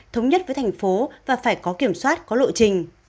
thống nhất với thành phố và phải có kiểm soát có lộ trình